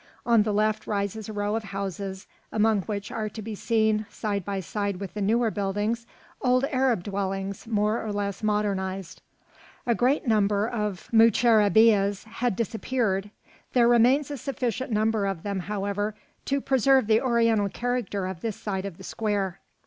On the left rises a row of houses, among which are to be seen, side by side with the newer buildings, old Arab dwellings more or less modernised. A great number of moucharabiehs had disappeared. There remains a sufficient number of them, however, to preserve the Oriental character of this side of the square.